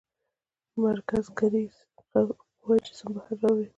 مرکزګریز قوه جسم بهر اړوي.